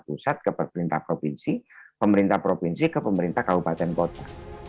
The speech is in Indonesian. pusat ke pemerintah provinsi pemerintah provinsi ke pemerintah kabupaten kota